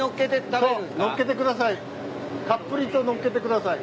たっぷりと載っけてください。